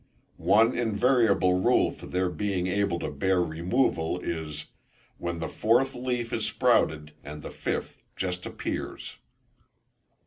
One invariable rule for their being able to bear removal is, when the fourth leaf is sprouted, and the fifth just appears.